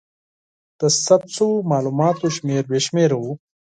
د ثبت شوو مالوماتو شمېر بې شمېره و.